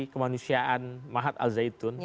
kemanusiaan mahat al zaitun